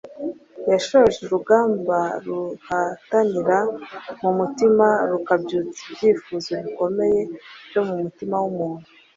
yashoje urugamba ruhatanira mu mutima rukabyutsa ibyifuzo bikomeye byo mu mutima w’umuntu